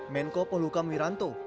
menko polhukam wiranto